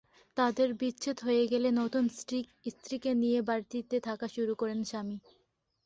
তাঁদের বিচ্ছেদ হয়ে গেলে নতুন স্ত্রীকে নিয়ে বাড়িটিতে থাকা শুরু করেন সামি।